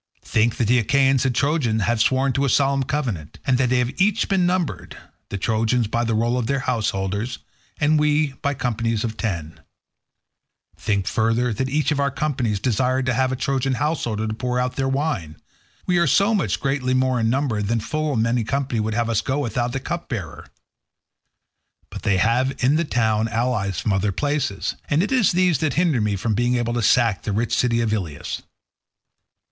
Think that the Achaeans and Trojans have sworn to a solemn covenant, and that they have each been numbered—the Trojans by the roll of their householders, and we by companies of ten; think further that each of our companies desired to have a Trojan householder to pour out their wine; we are so greatly more in number that full many a company would have to go without its cup bearer. But they have in the town allies from other places, and it is these that hinder me from being able to sack the rich city of Ilius.